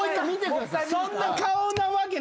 そんな顔なわけない！